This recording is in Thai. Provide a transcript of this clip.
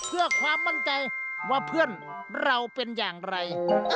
เพื่อความมั่นใจว่าเพื่อนเราเป็นอย่างไร